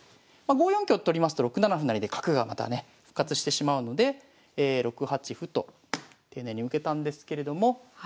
まあ５四香と取りますと６七歩成で角がまたね復活してしまうので６八歩と丁寧に受けたんですけれども。